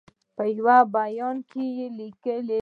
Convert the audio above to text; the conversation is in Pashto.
په یوه بیان کې لیکلي